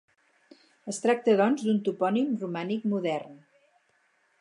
Es tracta, doncs, d'un topònim romànic modern.